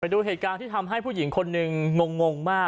ดูเหตุการณ์ที่ทำให้ผู้หญิงคนหนึ่งงงมาก